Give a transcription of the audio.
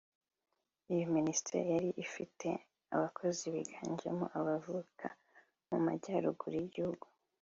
Iyo Minisiteri yari ifite abakozi biganjemo abavuka mu Majyaruguru y’Igihugu